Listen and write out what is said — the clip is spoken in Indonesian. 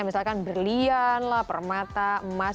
misalkan berlian lah permata emas